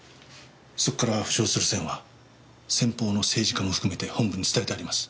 そこから浮上するセンは先方の政治家も含めて本部に伝えてあります。